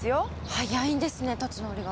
早いんですね立ち直りが。